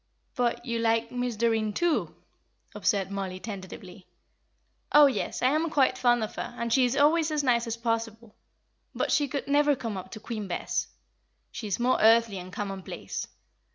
"But you like Miss Doreen, too?" observed Mollie, tentatively. "Oh, yes, I am quite fond of her, and she is always as nice as possible. But she could never come up to Queen Bess; she is more earthly and commonplace.